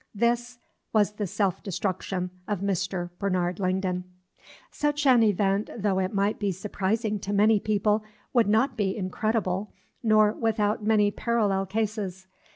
This was the self destruction of Mr. Bernard Langdon. Such an event, though it might be surprising to many people, would not be incredible, nor without many parallel cases.